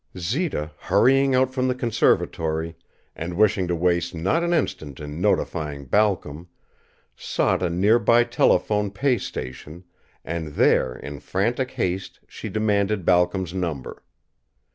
Zita, hurrying out from the conservatory, and wishing to waste not an instant in notifying Balcom, sought a near by telephone pay station, and there in frantic haste she demanded Balcom's number.